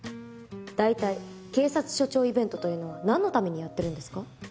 大体警察署長イベントというのは何のためにやってるんですか？